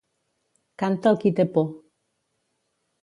Canta el qui té por.